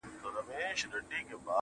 دا به نو حتمي وي کرامت د نوي کال